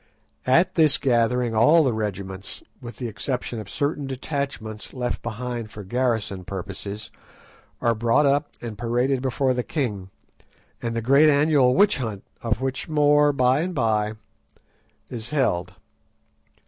At this gathering all the regiments, with the exception of certain detachments left behind for garrison purposes, are brought up and paraded before the king; and the great annual witch hunt, of which more by and by, is held.